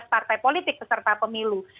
dua belas partai politik beserta pemilu